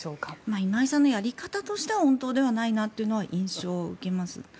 今井さんのやり方としては穏当ではないなという印象を受けます。